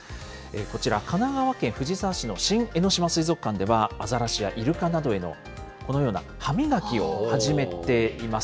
こちら、神奈川県藤沢市の新江ノ島水族館では、アザラシやイルカなどへの、このような歯磨きを始めています。